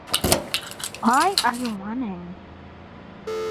Why are you running?